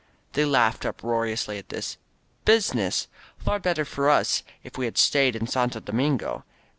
They laughed uproariously at this. "Business! Far better for us if we had stayed in Santo Domingo